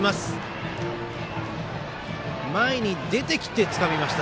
ライト、前に出てきてつかみました。